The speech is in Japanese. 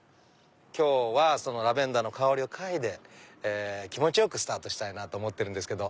今日はラベンダーの香りを嗅いで気持ちよくスタートしたいなと思ってるんですけど。